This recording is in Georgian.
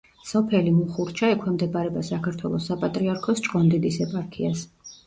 სოფელი მუხურჩა ექვემდებარება საქართველოს საპატრიარქოს ჭყონდიდის ეპარქიას.